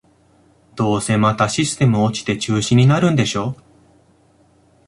どうせまたシステム落ちて中止になるんでしょ